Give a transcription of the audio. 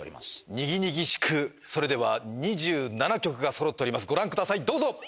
にぎにぎしくそれでは２７局がそろっておりますご覧くださいどうぞ！